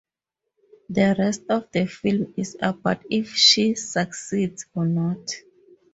The rest of the film is about if she succeeds or not.